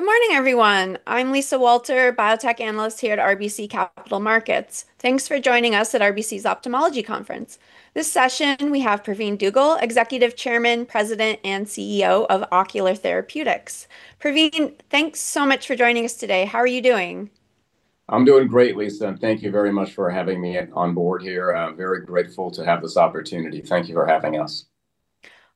Good morning, everyone. I'm Lisa Walter, Biotech Analyst here at RBC Capital Markets. Thanks for joining us at RBC's Ophthalmology Conference. This session, we have Pravin Dugel, Executive Chairman, President, and CEO of Ocular Therapeutix. Pravin, thanks so much for joining us today. How are you doing? I'm doing great, Lisa. Thank you very much for having me on board here. I'm very grateful to have this opportunity. Thank you for having us.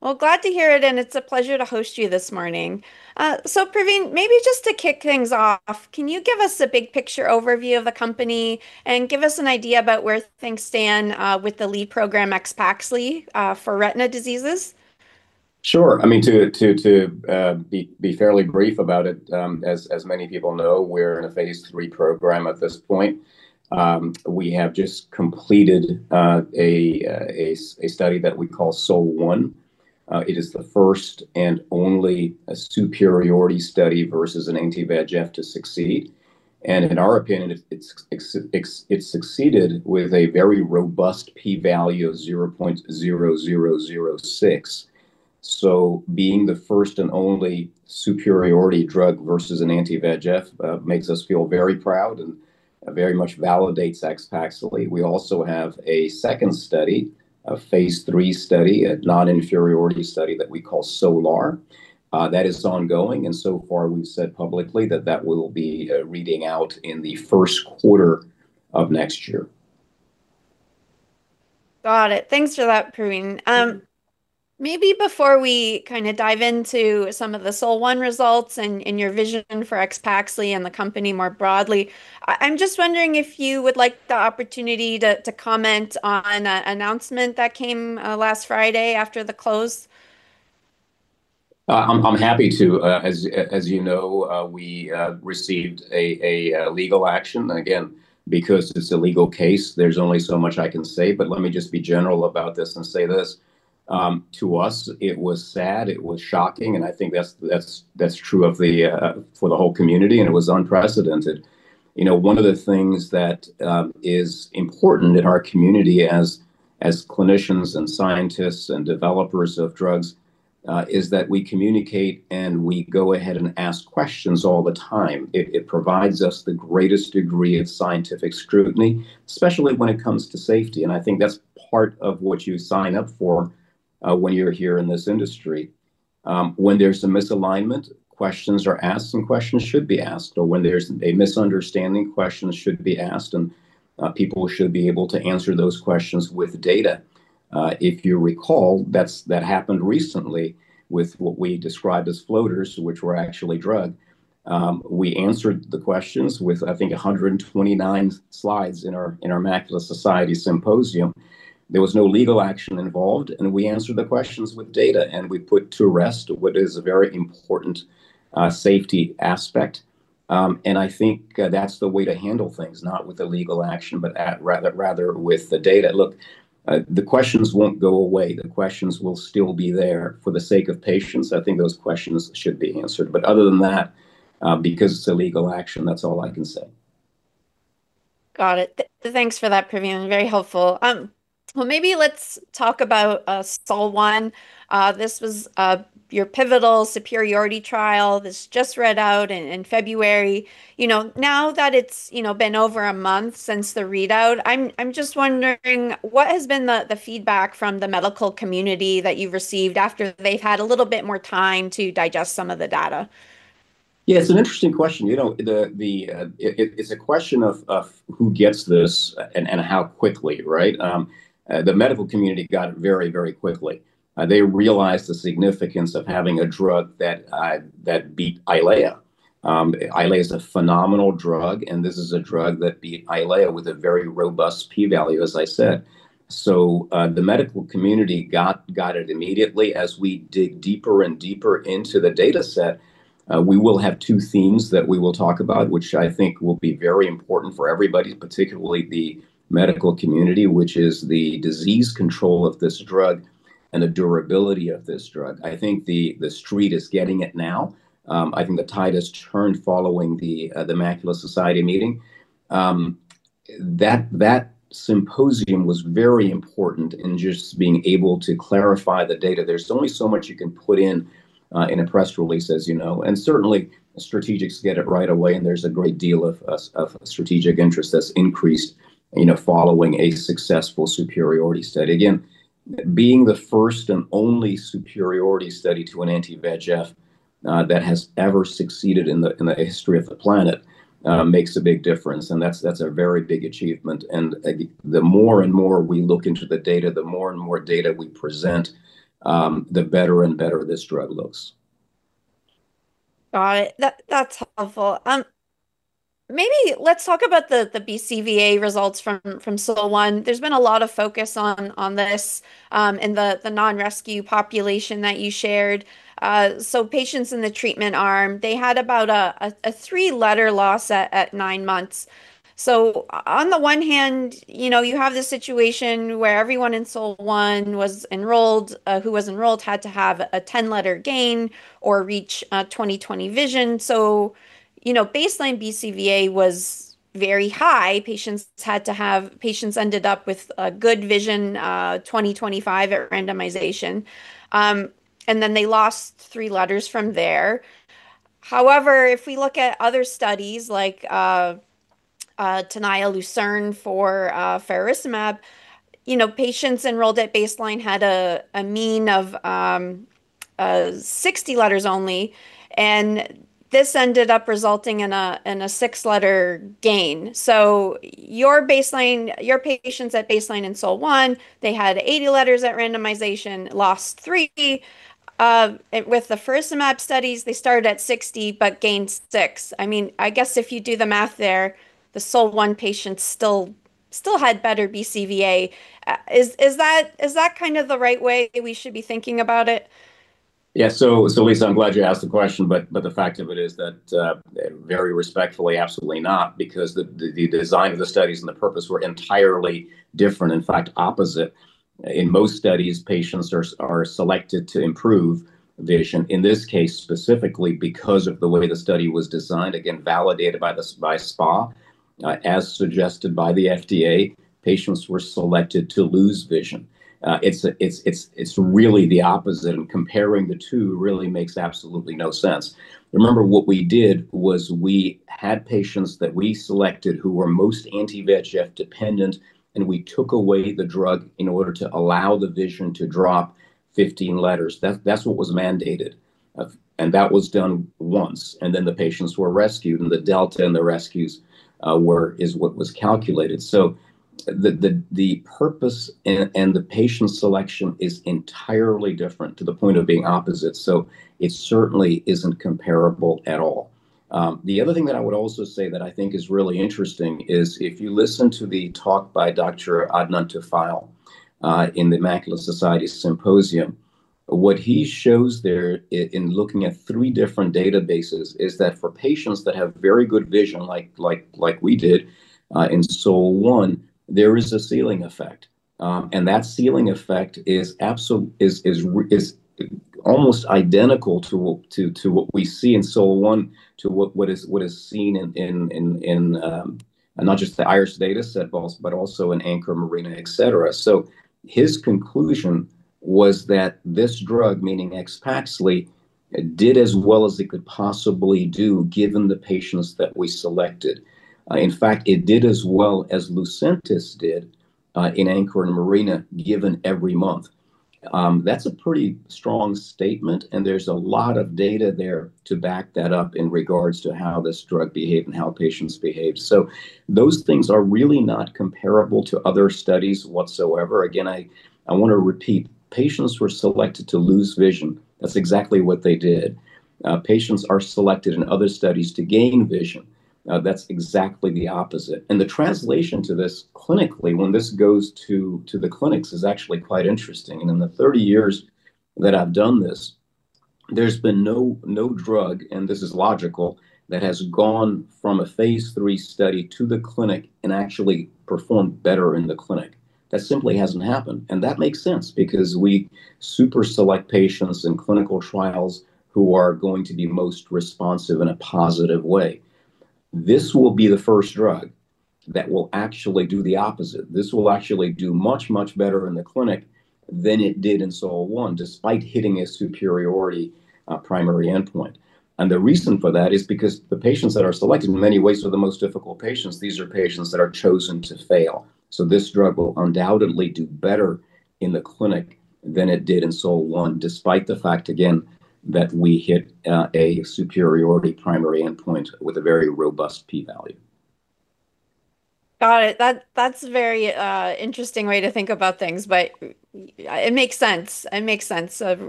Well, glad to hear it, and it's a pleasure to host you this morning. Pravin, maybe just to kick things off, can you give us a big picture overview of the company and give us an idea about where things stand, with the lead program, AXPAXLI, for retina diseases? Sure. I mean, to be fairly brief about it, as many people know, we're in a phase III program at this point. We have just completed a study that we call SOL-1. It is the first and only superiority study versus an anti-VEGF to succeed. In our opinion, it succeeded with a very robust p-value of 0.0006. Being the first and only superiority drug versus an anti-VEGF makes us feel very proud and very much validates AXPAXLI. We also have a second study, a phase III study, a non-inferiority study that we call SOLAR. That is ongoing, and so far we've said publicly that that will be reading out in the first quarter of next year. Got it. Thanks for that, Pravin. Maybe before we kind of dive into some of the SOL-1 results and your vision for AXPAXLI and the company more broadly, I'm just wondering if you would like the opportunity to comment on an announcement that came last Friday after the close? I'm happy to. As you know, we received a legal action. Again, because it's a legal case, there's only so much I can say, but let me just be general about this and say this. To us, it was sad, it was shocking, and I think that's true for the whole community, and it was unprecedented. You know, one of the things that is important in our community as clinicians and scientists and developers of drugs is that we communicate, and we go ahead and ask questions all the time. It provides us the greatest degree of scientific scrutiny, especially when it comes to safety, and I think that's part of what you sign up for when you're here in this industry. When there's a misalignment, questions are asked, and questions should be asked, or when there's a misunderstanding, questions should be asked, and people should be able to answer those questions with data. If you recall, that happened recently with what we described as floaters, which were actually drug. We answered the questions with, I think, 129 slides in our Macula Society symposium. There was no legal action involved, and we answered the questions with data, and we put to rest what is a very important safety aspect. I think that's the way to handle things, not with a legal action, but rather with the data. Look, the questions won't go away. The questions will still be there. For the sake of patients, I think those questions should be answered, but other than that, because it's a legal action, that's all I can say. Got it. Thanks for that, Pravin. Very helpful. Well, maybe let's talk about SOL-1. This was your pivotal superiority trial. This just read out in February. You know, now that it's you know, been over a month since the readout, I'm just wondering, what has been the feedback from the medical community that you've received after they've had a little bit more time to digest some of the data? Yeah, it's an interesting question. You know, it's a question of who gets this and how quickly, right? The medical community got it very, very quickly. They realized the significance of having a drug that beat EYLEA. EYLEA is a phenomenal drug, and this is a drug that beat EYLEA with a very robust P value, as I said. The medical community got it immediately. As we dig deeper and deeper into the dataset, we will have two themes that we will talk about, which I think will be very important for everybody, particularly the medical community, which is the disease control of this drug and the durability of this drug. I think the Street is getting it now. I think the tide has turned following the Macula Society meeting. That symposium was very important in just being able to clarify the data. There's only so much you can put in a press release, as you know, and certainly strategics get it right away, and there's a great deal of strategic interest that's increased, you know, following a successful superiority study. Again, being the first and only superiority study to an anti-VEGF that has ever succeeded in the history of the planet makes a big difference, and that's a very big achievement. The more and more we look into the data, the more and more data we present, the better and better this drug looks. Got it. That's helpful. Maybe let's talk about the BCVA results from SOL-1. There's been a lot of focus on this in the non-rescue population that you shared. Patients in the treatment arm had about a three-letter loss at nine months. On the one hand, you know, you have this situation where everyone in SOL-1 who was enrolled had to have a 10-letter gain or reach 20/20 vision. Baseline BCVA was very high. Patients ended up with a good vision, 20/25 at randomization. They lost three letters from there. However, if we look at other studies like TENAYA and LUCERNE for Faricimab. You know, patients enrolled at baseline had a mean of 60 letters only, and this ended up resulting in a 6-letter gain. Your baseline, your patients at baseline in SOL-1, they had 80 letters at randomization, lost three. With the Faricimab studies, they started at 60, but gained six. I mean, I guess if you do the math there, the SOL-1 patients still had better BCVA. Is that kind of the right way we should be thinking about it? Lisa, I'm glad you asked the question, but the fact of it is that, very respectfully, absolutely not because the design of the studies and the purpose were entirely different, in fact, opposite. In most studies, patients are selected to improve vision. In this case, specifically because of the way the study was designed, again, validated by SPA, as suggested by the FDA, patients were selected to lose vision. It's really the opposite, and comparing the two really makes absolutely no sense. Remember, what we did was we had patients that we selected who were most anti-VEGF dependent, and we took away the drug in order to allow the vision to drop 15 letters. That's what was mandated. That was done once, and then the patients were rescued, and the delta and the rescues is what was calculated. The purpose and the patient selection is entirely different to the point of being opposite. It certainly isn't comparable at all. The other thing that I would also say that I think is really interesting is if you listen to the talk by Dr. Adnan Tufail in the Macula Society symposium, what he shows there in looking at three different databases is that for patients that have very good vision like we did in SOL-1, there is a ceiling effect. That ceiling effect is almost identical to what we see in SOL-1 to what is seen in not just the IRIS dataset, but also in ANCHOR, MARINA, et cetera. His conclusion was that this drug, meaning AXPAXLI, did as well as it could possibly do given the patients that we selected. In fact, it did as well as Lucentis did in ANCHOR and MARINA given every month. That's a pretty strong statement, and there's a lot of data there to back that up in regards to how this drug behaved and how patients behaved. Those things are really not comparable to other studies whatsoever. Again, I want to repeat, patients were selected to lose vision. That's exactly what they did. Patients are selected in other studies to gain vision. That's exactly the opposite. The translation to the clinic, when this goes to the clinics, is actually quite interesting. In the 30 years that I've done this, there's been no drug, and this is logical, that has gone from a phase III study to the clinic and actually performed better in the clinic. That simply hasn't happened, and that makes sense because we super select patients in clinical trials who are going to be most responsive in a positive way. This will be the first drug that will actually do the opposite. This will actually do much, much better in the clinic than it did in SOL-1, despite hitting a superiority primary endpoint. The reason for that is because the patients that are selected in many ways are the most difficult patients. These are patients that are chosen to fail. This drug will undoubtedly do better in the clinic than it did in SOL-1, despite the fact again that we hit a superiority primary endpoint with a very robust p-value. Got it. That's a very interesting way to think about things, but it makes sense.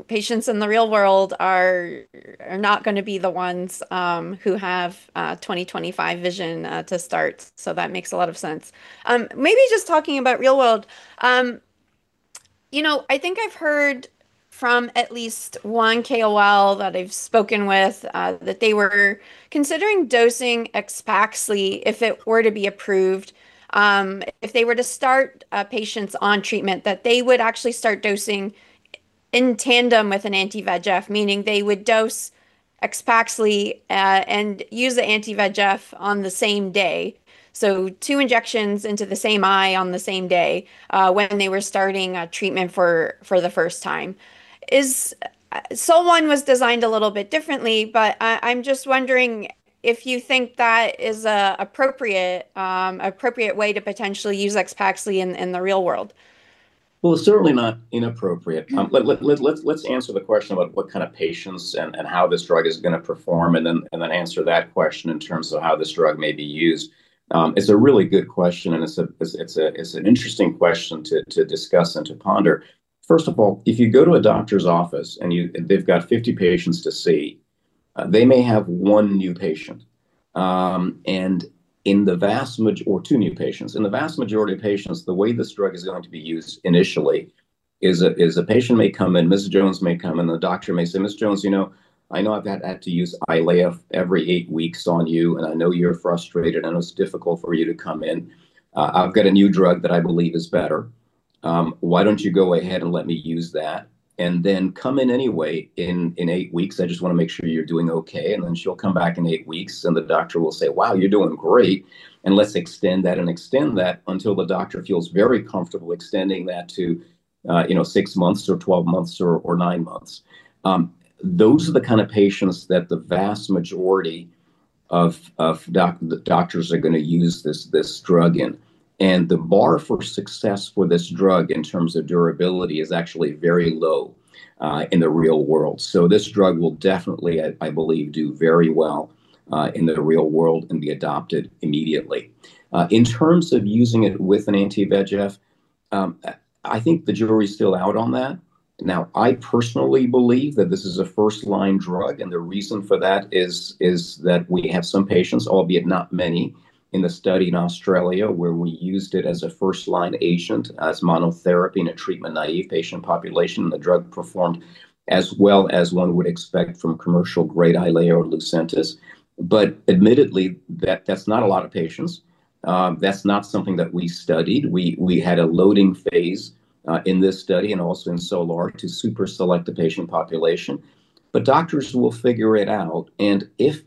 Patients in the real world are not gonna be the ones who have 20/25 vision to start. That makes a lot of sense. Maybe just talking about real world, you know, I think I've heard from at least one KOL that I've spoken with, that they were considering dosing AXPAXLI if it were to be approved, if they were to start patients on treatment that they would actually start dosing in tandem with an anti-VEGF, meaning they would dose AXPAXLI and use the anti-VEGF on the same day. Two injections into the same eye on the same day when they were starting treatment for the first time. SOL-1 was designed a little bit differently, but I'm just wondering if you think that is an appropriate way to potentially use AXPAXLI in the real world. Well, it's certainly not inappropriate. Let's answer the question about what kind of patients and how this drug is gonna perform, and then answer that question in terms of how this drug may be used. It's a really good question, and it's an interesting question to discuss and to ponder. First of all, if you go to a doctor's office and they've got 50 patients to see, they may have one new patient or two new patients. In the vast majority of patients, the way this drug is going to be used initially is a patient may come in, Ms. Jones may come in, the doctor may say, "Ms. Jones, you know, I know I've had to use EYLEA every eight weeks on you, and I know you're frustrated, I know it's difficult for you to come in. I've got a new drug that I believe is better. Why don't you go ahead and let me use that, and then come in anyway in eight weeks. I just want to make sure you're doing okay." Then she'll come back in eight weeks, and the doctor will say, "Wow, you're doing great, and let's extend that," and extend that until the doctor feels very comfortable extending that to, you know, six months or 12 months or nine months. Those are the kind of patients that the vast majority of the doctors are gonna use this drug in. The bar for success for this drug in terms of durability is actually very low in the real world. This drug will definitely I believe do very well in the real world and be adopted immediately. In terms of using it with an anti-VEGF, I think the jury's still out on that. Now, I personally believe that this is a first-line drug, and the reason for that is that we have some patients, albeit not many, in the study in Australia where we used it as a first-line agent as monotherapy in a treatment-naive patient population, and the drug performed as well as one would expect from commercial-grade EYLEA or Lucentis. Admittedly, that's not a lot of patients. That's not something that we studied. We had a loading phase in this study and also in SOLAR to super select the patient population. Doctors will figure it out, and if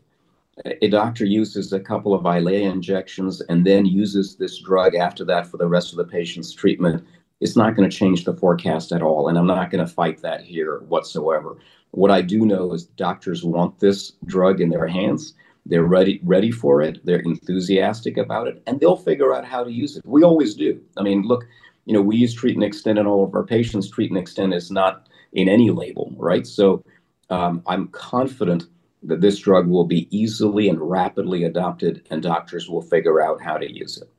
a doctor uses a couple of EYLEA injections and then uses this drug after that for the rest of the patient's treatment, it's not gonna change the forecast at all, and I'm not gonna fight that here whatsoever. What I do know is doctors want this drug in their hands. They're ready for it. They're enthusiastic about it, and they'll figure out how to use it. We always do. I mean, look, you know, we use treat and extend in all of our patients. Treat and extend is not in any label, right? I'm confident that this drug will be easily and rapidly adopted, and doctors will figure out how to use it.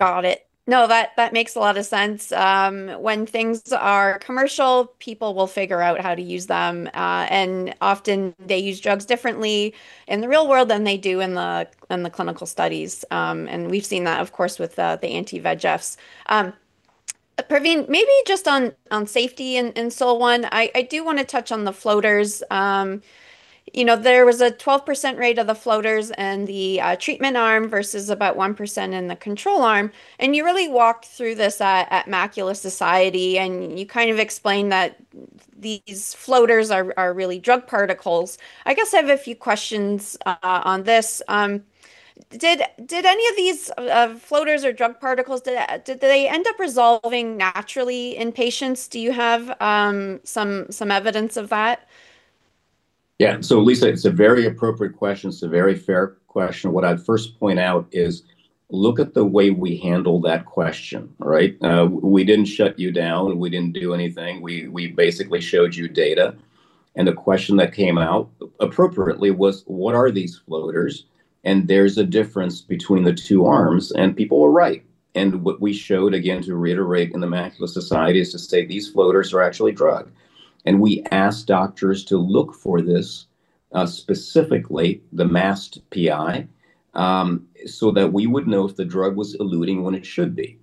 Got it. No, that makes a lot of sense. When things are commercial, people will figure out how to use them, and often they use drugs differently in the real world than they do in the clinical studies. We've seen that, of course, with the anti-VEGFs. Pravin, maybe just on safety in SOL-1, I do wanna touch on the floaters. You know, there was a 12% rate of the floaters in the treatment arm versus about 1% in the control arm, and you really walked through this at Macula Society, and you kind of explained that these floaters are really drug particles. I guess I have a few questions on this. Did any of these floaters or drug particles end up resolving naturally in patients? Do you have some evidence of that? Yeah. Lisa, it's a very appropriate question. It's a very fair question. What I'd first point out is look at the way we handle that question, right? We didn't shut you down. We didn't do anything. We basically showed you data. The question that came out appropriately was, what are these floaters? There's a difference between the two arms, and people were right. What we showed, again, to reiterate in the Macula Society, is to say these floaters are actually drug. We asked doctors to look for this, specifically the masked PI, so that we would know if the drug was eluting when it should be.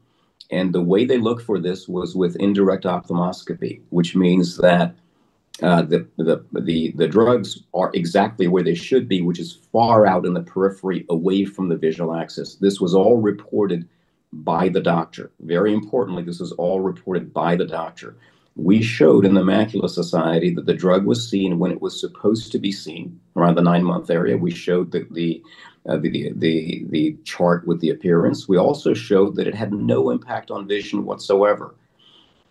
The way they looked for this was with indirect ophthalmoscopy, which means that the drugs are exactly where they should be, which is far out in the periphery away from the visual axis. This was all reported by the doctor. Very importantly, this was all reported by the doctor. We showed in the Macula Society that the drug was seen when it was supposed to be seen, around the nine-month area. We showed the chart with the appearance. We also showed that it had no impact on vision whatsoever.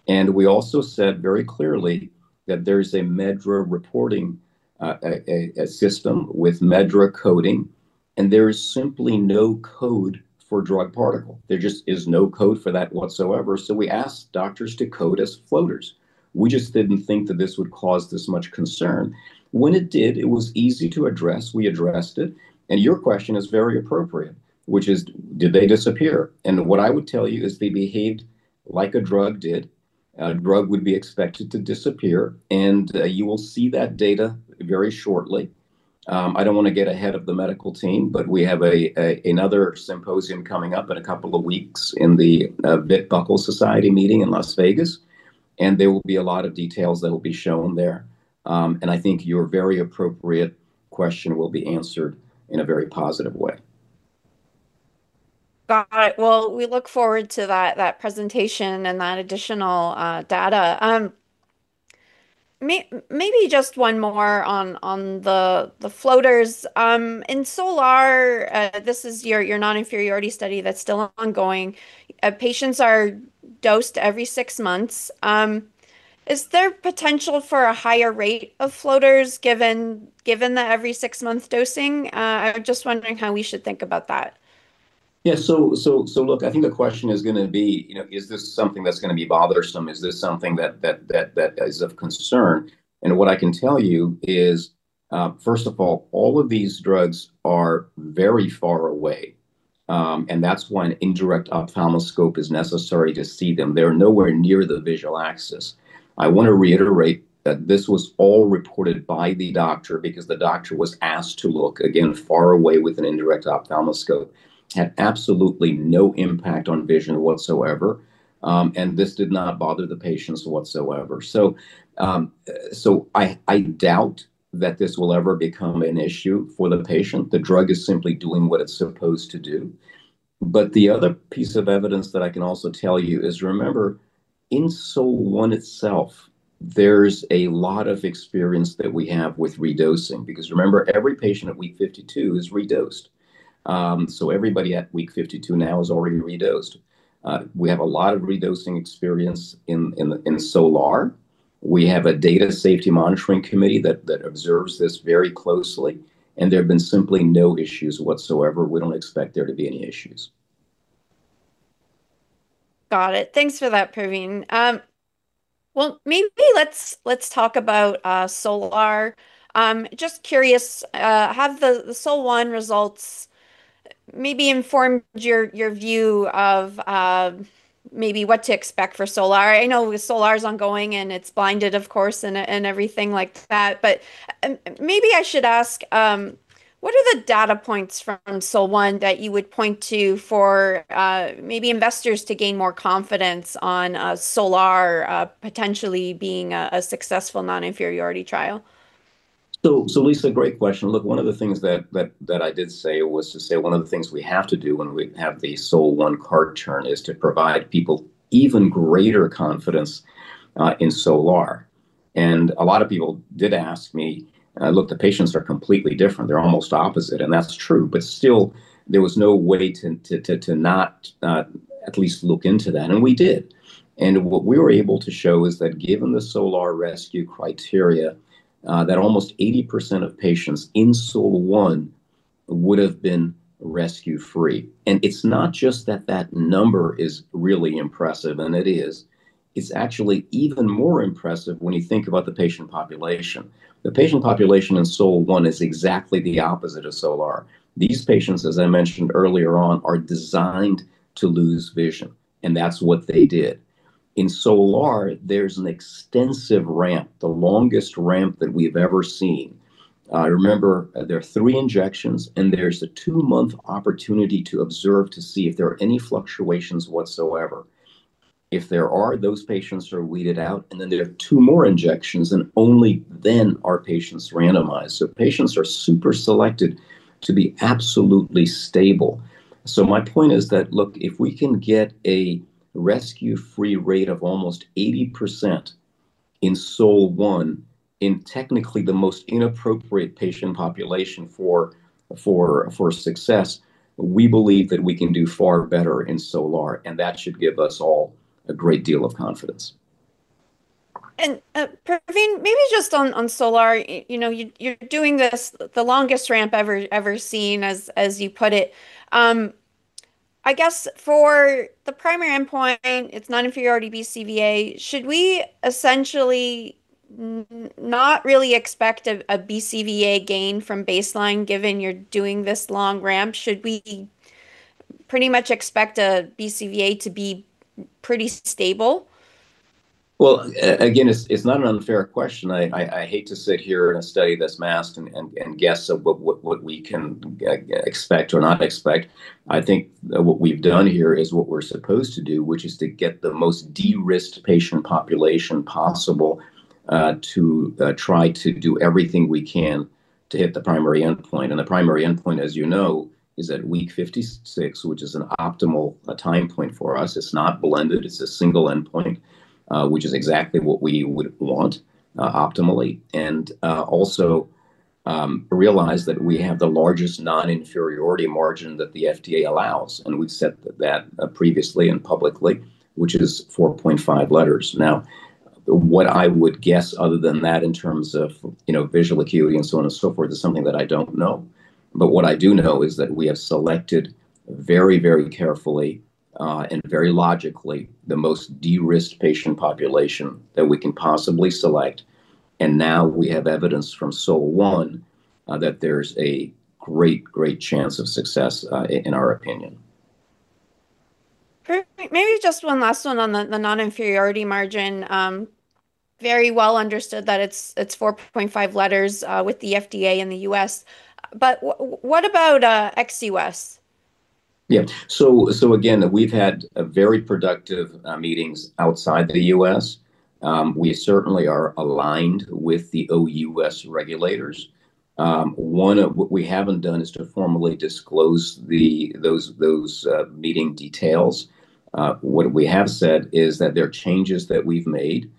We also said very clearly that there's a MedDRA reporting, a system with MedDRA coding, and there is simply no code for drug particle. There just is no code for that whatsoever, so we asked doctors to code as floaters. We just didn't think that this would cause this much concern. When it did, it was easy to address. We addressed it. Your question is very appropriate, which is, did they disappear? What I would tell you is they behaved like a drug did. A drug would be expected to disappear. You will see that data very shortly. I don't wanna get ahead of the medical team, but we have another symposium coming up in a couple of weeks in the Vitreous Society meeting in Las Vegas, and there will be a lot of details that will be shown there. I think your very appropriate question will be answered in a very positive way. Got it. Well, we look forward to that presentation and that additional data. Maybe just one more on the floaters. In SOLAR, this is your non-inferiority study that's still ongoing. Patients are dosed every six months. Is there potential for a higher rate of floaters given the every six-month dosing? I'm just wondering how we should think about that. Yeah. Look, I think the question is gonna be, you know, is this something that's gonna be bothersome? Is this something that is of concern? What I can tell you is, first of all of these drugs are very far away. That's why an indirect ophthalmoscope is necessary to see them. They're nowhere near the visual axis. I want to reiterate that this was all reported by the doctor because the doctor was asked to look, again, far away with an indirect ophthalmoscope. It had absolutely no impact on vision whatsoever, and this did not bother the patients whatsoever. I doubt that this will ever become an issue for the patient. The drug is simply doing what it's supposed to do. The other piece of evidence that I can also tell you is remember, in SOL-1 itself, there's a lot of experience that we have with redosing because remember, every patient at week 52 is redosed. Everybody at week 52 now is already redosed. We have a lot of redosing experience in SOLAR. We have a data safety monitoring committee that observes this very closely, and there have been simply no issues whatsoever. We don't expect there to be any issues. Got it. Thanks for that, Pravin. Well, maybe let's talk about SOLAR. Just curious, have the SOL-1 results maybe informed your view of maybe what to expect for SOLAR? I know SOLAR is ongoing, and it's blinded, of course, and everything like that. But maybe I should ask, what are the data points from SOL-1 that you would point to for maybe investors to gain more confidence on SOLAR potentially being a successful non-inferiority trial? Lisa, great question. Look, one of the things that I did say was to say one of the things we have to do when we have the SOL-1 readout is to provide people even greater confidence in SOLAR. A lot of people did ask me, look, the patients are completely different. They're almost opposite, and that's true. But still, there was no way to not at least look into that, and we did. What we were able to show is that given the SOLAR rescue criteria, that almost 80% of patients in SOL-1 would have been rescue-free. It's not just that that number is really impressive, and it is. It's actually even more impressive when you think about the patient population. The patient population in SOL-1 is exactly the opposite of SOLAR. These patients, as I mentioned earlier on, are designed to lose vision, and that's what they did. In SOLAR, there's an extensive ramp, the longest ramp that we've ever seen. Remember, there are three injections, and there's a 2-month opportunity to observe to see if there are any fluctuations whatsoever. If there are, those patients are weeded out, and then they have two more injections, and only then are patients randomized. So patients are super selected to be absolutely stable. So, my point is that, look, if we can get a rescue-free rate of almost 80% in SOL-1, in technically the most inappropriate patient population for success, we believe that we can do far better in SOLAR, and that should give us all a great deal of confidence. Pravin, maybe just on SOLAR, you know, you're doing this, the longest ramp ever seen, as you put it. I guess for the primary endpoint, it's non-inferiority BCVA. Should we essentially not really expect a BCVA gain from baseline given you're doing this long ramp? Should we pretty much expect a BCVA to be pretty stable? Well, again, it's not an unfair question. I hate to sit here in a study that's masked and guess what we can expect or not expect. I think what we've done here is what we're supposed to do, which is to get the most de-risked patient population possible, to try to do everything we can to hit the primary endpoint. The primary endpoint, as you know, is at week 56, which is an optimal time point for us. It's not blended. It's a single endpoint, which is exactly what we would want, optimally. Also, realize that we have the largest non-inferiority margin that the FDA allows, and we've said that previously and publicly, which is 4.5 letters. Now, what I would guess other than that in terms of, you know, visual acuity and so on and so forth is something that I don't know. What I do know is that we have selected very, very carefully and very logically the most de-risked patient population that we can possibly select. Now we have evidence from SOL-1 that there's a great chance of success in our opinion. Maybe just one last one on the non-inferiority margin. Very well understood that it's 4.5 letters with the FDA in the U.S. What about ex-U.S.? Yeah. So again, we've had a very productive meetings outside the U.S. We certainly are aligned with the OUS regulators. What we haven't done is to formally disclose those meeting details. What we have said is that there are changes that we've made.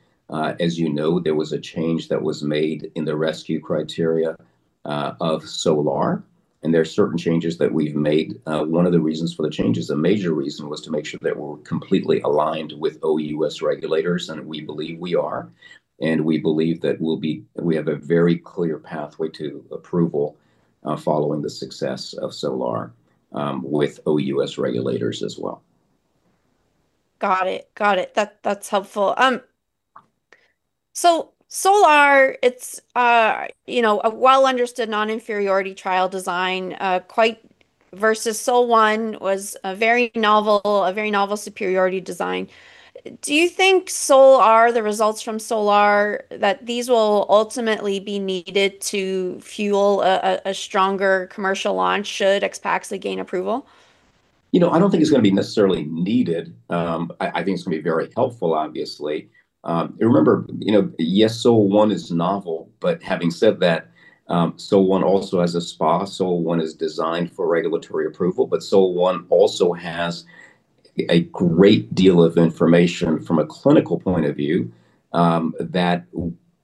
As you know, there was a change that was made in the rescue criteria of SOLAR, and there are certain changes that we've made. One of the reasons for the changes, a major reason, was to make sure that we're completely aligned with OUS regulators, and we believe we are. We believe that we have a very clear pathway to approval following the success of SOLAR with OUS regulators as well. Got it. That's helpful. So SOLAR, it's, you know, a well-understood non-inferiority trial design, quite versus SOL-1 was a very novel superiority design. Do you think the results from SOLAR that these will ultimately be needed to fuel a stronger commercial launch should AXPAXLI gain approval? You know, I don't think it's gonna be necessarily needed. I think it's gonna be very helpful, obviously. Remember, you know, yes, SOL-1 is novel, but having said that, SOL-1 also has a SPA. SOL-1 is designed for regulatory approval. SOL-1 also has a great deal of information from a clinical point of view that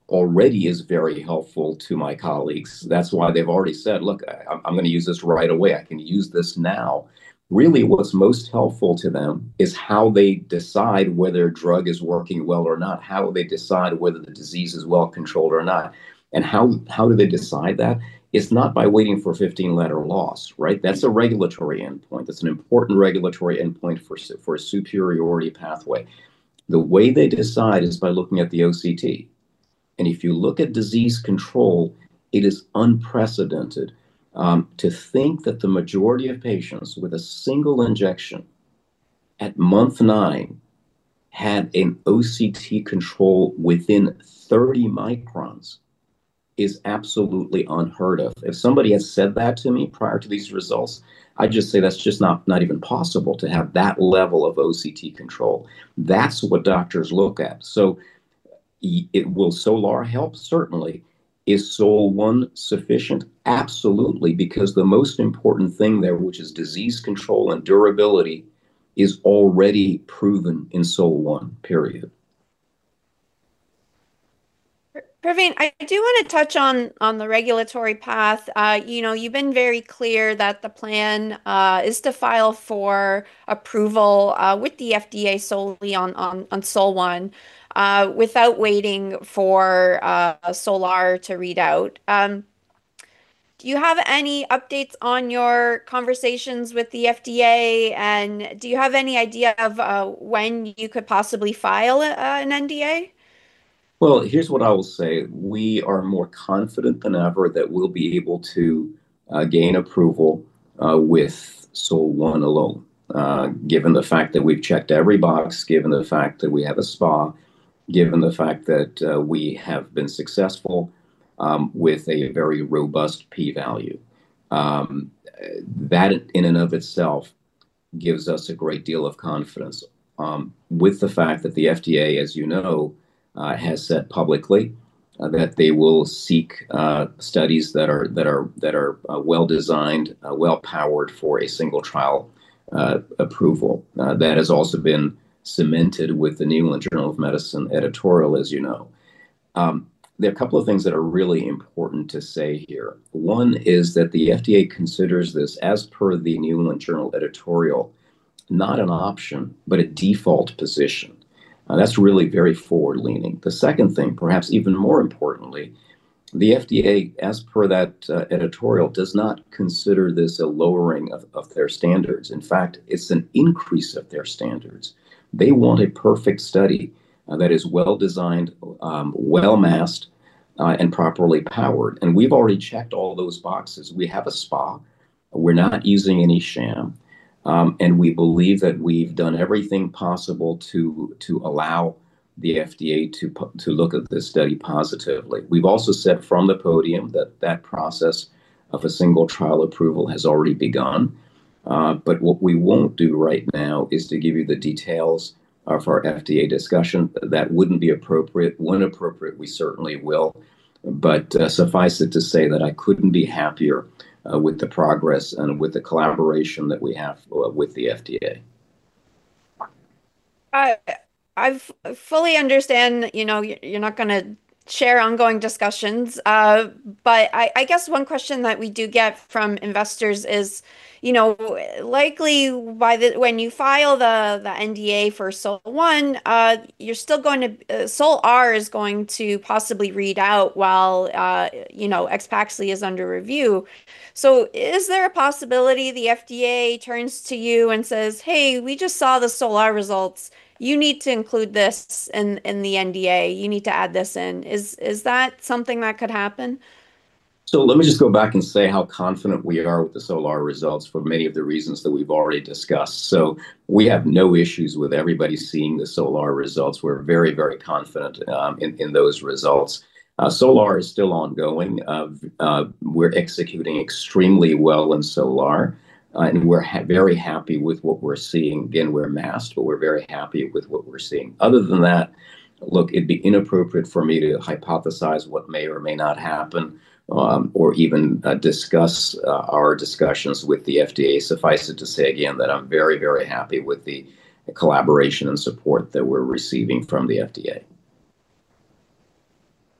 already is very helpful to my colleagues. That's why they've already said, "Look, I'm gonna use this right away. I can use this now." Really, what's most helpful to them is how they decide whether a drug is working well or not, how they decide whether the disease is well controlled or not. How do they decide that? It's not by waiting for a 15-letter loss, right? That's a regulatory endpoint. That's an important regulatory endpoint for a superiority pathway. The way they decide is by looking at the OCT. If you look at disease control, it is unprecedented to think that the majority of patients with a single injection at month nine had an OCT control within 30 microns, is absolutely unheard of. If somebody had said that to me prior to these results, I'd just say that's just not even possible to have that level of OCT control. That's what doctors look at. Will SOLAR help? Certainly. Is SOL-1 sufficient? Absolutely, because the most important thing there, which is disease control and durability, is already proven in SOL-1, period. Pravin, I do wanna touch on the regulatory path. You know, you've been very clear that the plan is to file for approval with the FDA solely on SOL-1 without waiting for SOLAR to read out. Do you have any updates on your conversations with the FDA? Do you have any idea of when you could possibly file an NDA? Well, here's what I will say. We are more confident than ever that we'll be able to gain approval with SOL-1 alone. Given the fact that we've checked every box, given the fact that we have a SPA, given the fact that we have been successful with a very robust p-value. That in and of itself gives us a great deal of confidence with the fact that the FDA, as you know, has said publicly that they will seek studies that are well-designed, well-powered for a single trial approval. That has also been cemented with the New England Journal of Medicine editorial, as you know. There are a couple of things that are really important to say here. One is that the FDA considers this, as per the New England Journal editorial, not an option, but a default position. Now, that's really very forward-leaning. The second thing, perhaps even more importantly, the FDA, as per that editorial, does not consider this a lowering of their standards. In fact, it's an increase of their standards. They want a perfect study that is well-designed, well-masked, and properly powered, and we've already checked all those boxes. We have a SPA. We're not using any sham. We believe that we've done everything possible to allow the FDA to look at this study positively. We've also said from the podium that process of a single trial approval has already begun, but what we won't do right now is to give you the details for our FDA discussion. That wouldn't be appropriate. When appropriate, we certainly will. Suffice it to say that I couldn't be happier with the progress and with the collaboration that we have with the FDA. I fully understand, you know, you're not gonna share ongoing discussions. I guess one question that we do get from investors is, you know, likely by the time you file the NDA for SOL-1, SOL-R is going to possibly read out while, you know, AXPAXLI is under review. Is there a possibility the FDA turns to you and says, "Hey, we just saw the SOL-R results. You need to include this in the NDA. You need to add this in"? Is that something that could happen? Let me just go back and say how confident we are with the SOL-R results for many of the reasons that we've already discussed. We have no issues with everybody seeing the SOL-R results. We're very, very confident in those results. SOL-R is still ongoing. We're executing extremely well in SOL-R. And we're very happy with what we're seeing. Again, we're masked, but we're very happy with what we're seeing. Other than that, look, it'd be inappropriate for me to hypothesize what may or may not happen or even discuss our discussions with the FDA. Suffice it to say again that I'm very, very happy with the collaboration and support that we're receiving from the FDA.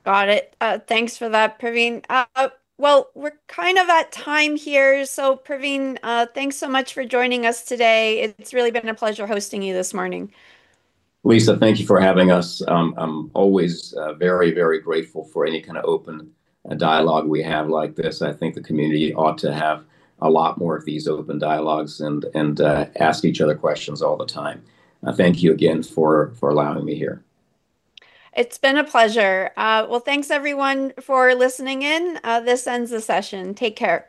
Got it. Thanks for that, Pravin. Well, we're kind of at time here. Pravin, thanks so much for joining us today. It's really been a pleasure hosting you this morning. Lisa, thank you for having us. I'm always very grateful for any kind of open dialogue we have like this. I think the community ought to have a lot more of these open dialogues and ask each other questions all the time. Thank you again for allowing me here. It's been a pleasure. Well, thanks everyone for listening in. This ends the session. Take care.